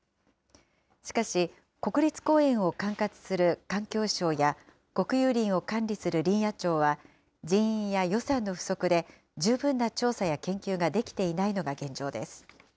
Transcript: しかし、国立公園を管轄する環境省や、国有林を管理する林野庁は、人員や予算の不足で十分な調査や研究ができていないのが現状です。